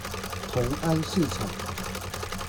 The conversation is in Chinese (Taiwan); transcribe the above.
同安市場